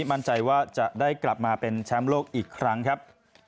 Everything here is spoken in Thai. มั่นใจว่าจะได้กลับมาเป็นแชมป์โลกอีกครั้งครับ